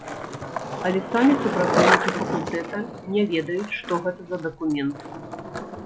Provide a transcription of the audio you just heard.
Але самі супрацоўнікі факультэта не ведаюць, што гэта за дакумент.